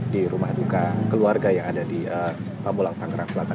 di rumah duka keluarga yang ada di pamulang tangerang selatan